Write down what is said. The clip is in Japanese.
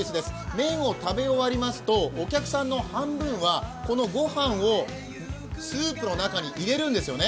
麺を食べ終わりますと、お客さんの半分はこの御飯をスープの中に入れるんですね。